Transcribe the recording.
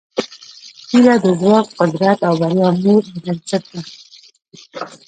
هیله د ځواک، قدرت او بریا مور او بنسټ ده.